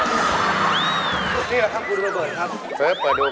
พี่เปิดท่าครูดอเบิร์ตครับ